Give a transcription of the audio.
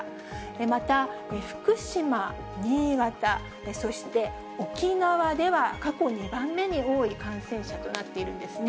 また、福島、新潟、そして沖縄では、過去２番目に多い感染者となっているんですね。